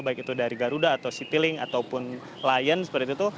baik itu dari garuda atau citylink ataupun lion seperti itu